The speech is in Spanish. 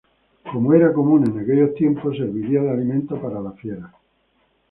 Como era común en aquellos tiempos, serviría de alimento para las fieras.